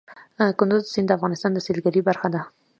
کندز سیند د افغانستان د سیلګرۍ برخه ده.